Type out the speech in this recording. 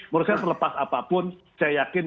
menurut saya selepas apapun saya yakin